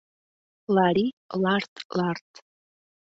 Лари-ларт-ларт!..